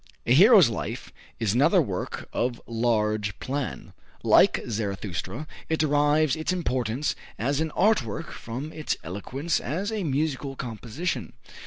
"A Hero's Life" is another work of large plan. Like "Zarathustra," it derives its importance as an art work from its eloquence as a musical composition.